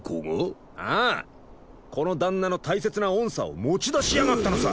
この旦那の大切な音叉を持ち出しやがったのさ。